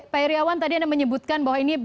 pak iryawan tadi anda menyebutkan bahwa ini